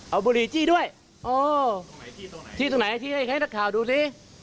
เอาบุหรี่จี้ด้วยโอ้จี้ตรงไหนที่ให้นักข่าวดูสิ